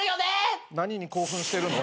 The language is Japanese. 何に興奮してるの？